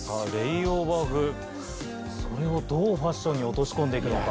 それをどうファッションに落とし込んでいくのか。